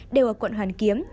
đều ở quận hoàn kiếm